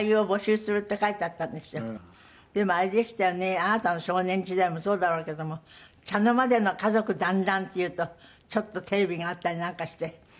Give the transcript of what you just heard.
あなたの少年時代もそうだろうけども茶の間での家族団らんっていうとちょっとテレビがあったりなんかして。